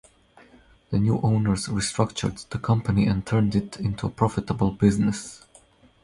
The new owners restructured the company and turned it into a profitable business.